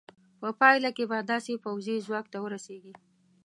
په پایله کې به داسې پوځي ځواک ته ورسېږې.